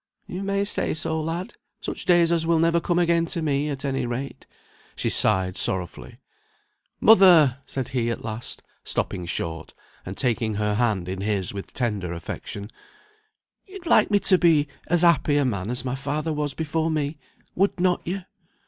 "You may say so, lad! Such days as will never come again to me, at any rate." She sighed sorrowfully. "Mother!" said he at last, stopping short, and taking her hand in his with tender affection, "you'd like me to be as happy a man as my father was before me, would not you?